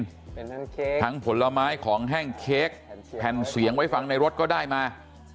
ทั้งเค้กทั้งผลไม้ของแห้งเค้กแผ่นเสียงไว้ฟังในรถก็ได้มา